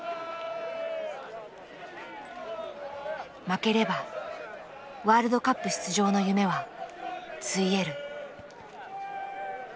負ければワールドカップ出場の夢はついえる。